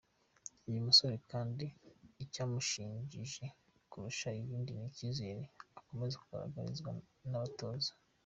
Uyu musore kandi icyamushimishije kurusha ibindi ni icyizere akomeje kugaragarizwa n’abatoza.